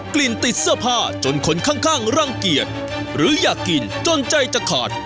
กลิ่นติดเสื้อผ้าจนคนข้างรังเกียจหรืออยากกินจนใจจะขาด